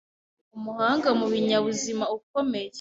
umuhanga mu binyabuzima ukomeye